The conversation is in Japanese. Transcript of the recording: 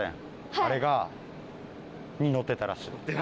あれに乗ってたらしい。